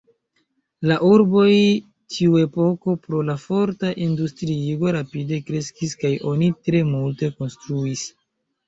La urboj tiuepoke pro la forta industriigo rapide kreskis kaj oni tre multe konstruis.